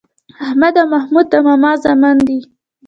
احمد او محمود د ماما زامن دي.